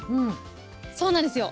そうなんですよ。